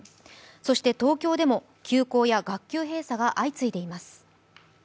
そして東京でも休校や学級閉鎖が相次いでいます。